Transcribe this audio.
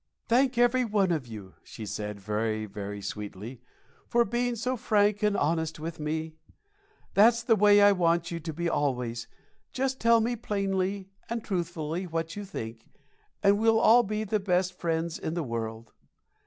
"Thank every one of you," she said, very, very sweetly, "for being so frank and honest with me. That's the way I want you to be always. Just tell me plainly and truthfully what you think, and we'll all be the best friends in the world.